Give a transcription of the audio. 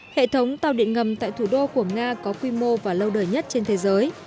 hệ thống tàu điện ngầm tại thủ đô của nga có quy mô và lâu đời nhất trên thế giới